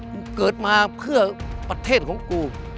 กูเกิดมาเพื่อประเทศของกู